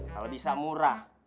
kalo bisa murah